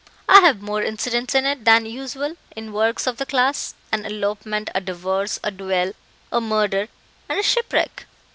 I have more incidents in it than usual in works of the class an elopement, a divorce, a duel, a murder, and a shipwreck."